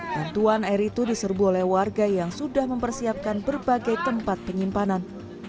bantuan air itu diserbu oleh warga yang sudah mempersiapkan berbagai tempat penyimpanan